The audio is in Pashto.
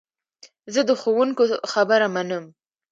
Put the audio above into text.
زه د ښوونکو خبره منم.